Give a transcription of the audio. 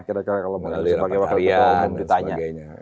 kira kira kalau sebagai wakil ketua umum dan sebagainya